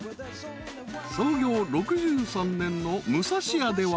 ［創業６３年の武蔵屋では］